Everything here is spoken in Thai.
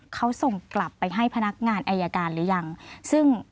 เขาส่งกลับไปให้พนักงานอายการหรือยังซึ่ง